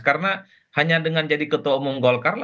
karena hanya dengan jadi ketua umum golkar